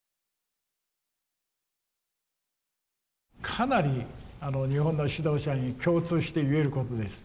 かなり日本の指導者に共通して言えることです。